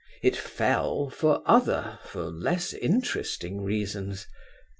It fell for other, for less interesting reasons.